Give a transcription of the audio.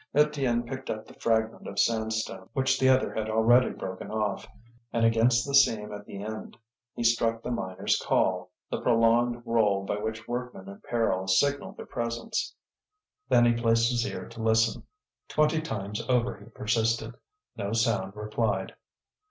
Étienne picked up the fragment of sandstone which the other had already broken off, and against the seam at the end he struck the miner's call, the prolonged roll by which workmen in peril signal their presence. Then he placed his ear to listen. Twenty times over he persisted; no sound replied.